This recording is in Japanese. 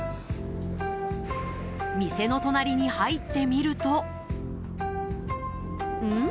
店の隣に入ってみるとん？